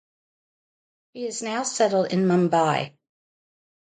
She is now settled in Mumbai.